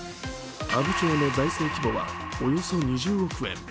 阿武町の財政規模はおよそ２０億円。